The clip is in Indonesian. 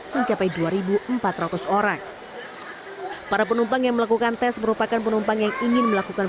mencapai dua ribu empat ratus orang para penumpang yang melakukan tes merupakan penumpang yang ingin melakukan